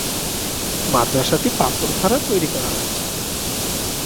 মাদ্রাসাটি পাথর দ্বারা তৈরি করা হয়েছে।